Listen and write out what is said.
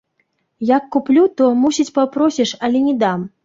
Як куплю, то, мусіць, папросіш, але не дам.